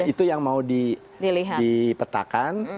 itu yang mau dipetakan